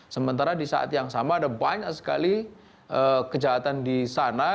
sementara di saat yang sama ada banyak sekali kejahatan di sana